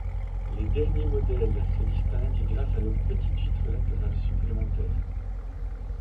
Les derniers modèles se distinguent grâce à leurs petites vitres latérales supplémentaires.